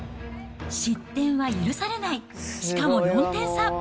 失点は許されない、しかも４点差。